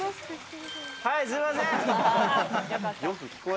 はい、すいません。